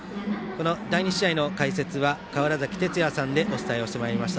第２試合の解説は川原崎哲也さんでお伝えしてまいりました。